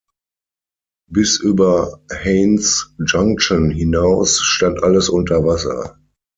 Bis über Haines Junction hinaus stand alles unter Wasser.